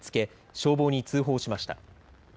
消防に通報しました。